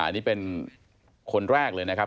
นี่เป็นคนแรกเลยนะครับ